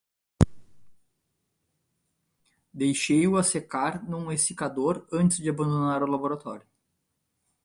Deixei-o a secar num exsicador antes de abandonar o laboratório